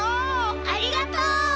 ありがとう！